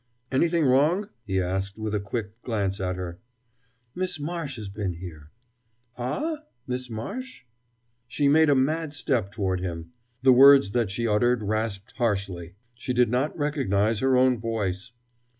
"Anything wrong?" he asked with a quick glance at her. "Miss Marsh has been here." "Ah?... Miss Marsh?" She made a mad step toward him. The words that she uttered rasped harshly. She did not recognize her own voice.